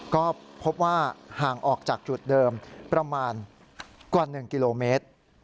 ก็พบว่าห่างออกจากจุดเดิมประมาณกว่า๑กิโลเมตร